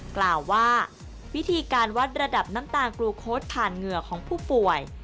กล่าวว่าวิธีการวัดระดับน้ำตาลกลูโค้ดผ่านเหงื่อของผู้ป่วย